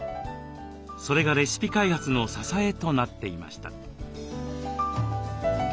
それがレシピ開発の支えとなっていました。